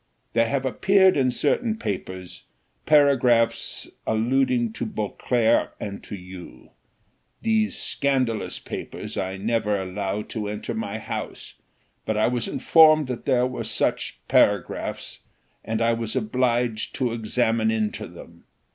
There have appeared in certain papers, paragraphs alluding to Beauclerc and to you; these scandalous papers I never allow to enter my house, but I was informed that there were such paragraphs, and I was obliged to examine into them.